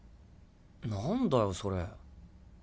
何だよそれ？